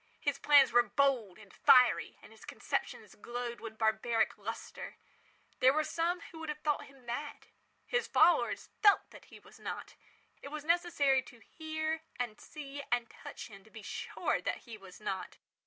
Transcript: His plans were bold and fiery, and his conceptions glowed with barbaric lustre. There are some who would have thought him mad. His followers felt that he was not. It was necessary to hear and see and touch him to be sure that he was not.